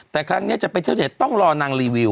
แต่ครั้งนี้จะไปเที่ยวไหนต้องรอนางรีวิว